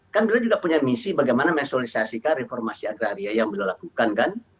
kan beliau juga punya misi bagaimana mensosialisasikan reformasi agraria yang beliau lakukan kan